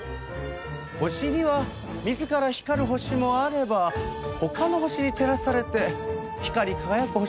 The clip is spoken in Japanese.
星には自ら光る星もあれば他の星に照らされて光り輝く星もあるそうでございます。